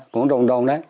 cũng đông đông đấy